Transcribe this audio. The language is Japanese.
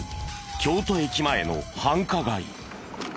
京都駅前の繁華街。